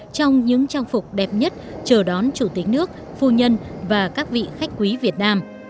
trong những trang phục đẹp nhất chờ đón chủ tịch nước phu nhân và các vị khách quý việt nam